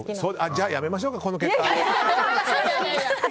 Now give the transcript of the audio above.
じゃあ、やめましょうかこの結果。